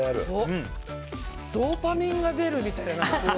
ドーパミンが出るみたいな。